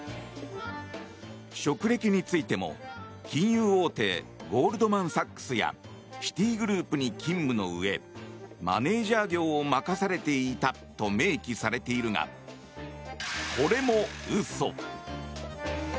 職歴についても金融大手ゴールドマン・サックスやシティグループに勤務のうえマネジャー業を任されていたと明記されているが、これも嘘。